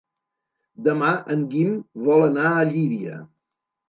Demà en Guim vol anar a Llíria.